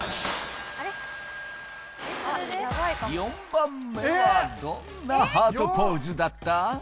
４番目はどんなハートポーズだった？